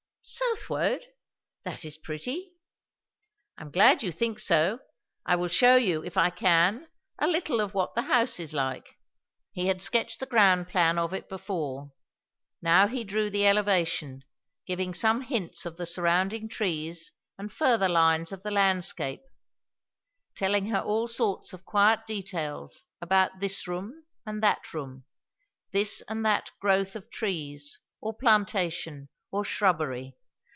"Southwode! That is pretty." "I am glad you think so. I will shew you, if I can, a little what the house is like." He had sketched the ground plan of it before; now he drew the elevation, giving some hints of the surrounding trees and further lines of the landscape; telling her all sorts of quiet details about this room and that room, this and that growth of trees, or plantation, or shrubbery.